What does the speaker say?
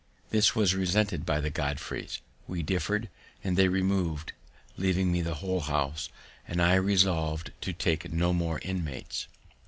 This was resented by the Godfreys; we differed, and they removed, leaving me the whole house, and I resolved to take no more inmates.